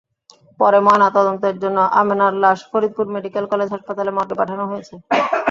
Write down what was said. পরে ময়নাতদন্তের জন্য আমেনার লাশ ফরিদপুর মেডিকেল কলেজ হাসপাতাল মর্গে পাঠানো হয়েছে।